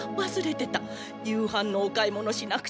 夕はんのお買い物しなくちゃ。